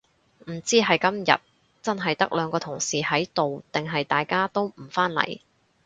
唔知係今日真係得兩個同事喺度定係大家都唔返嚟